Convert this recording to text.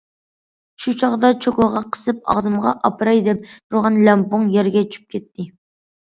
شۇ چاغدا چوكىغا قىسىپ ئاغزىمغا ئاپىراي دەپ تۇرغان لەڭپۇڭ يەرگە چۈشۈپ كەتتى.